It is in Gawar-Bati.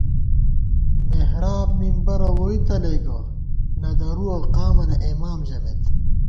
محراب منبَرہ ووئی تَلَئیگہ، نہ درُوَہ قامَنہ اېمام ژمېت